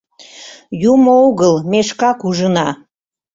Юмо огыл, ме шкак ужына!